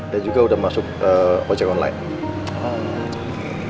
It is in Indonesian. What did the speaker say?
dan juga udah masuk ojek online